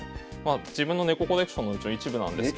自分のネココレクションのうちの一部なんですけど。